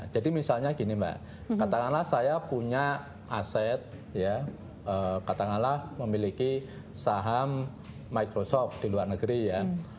jadi misalnya gini mbak katakanlah saya punya aset ya katakanlah memiliki saham microsoft di luar negeri ya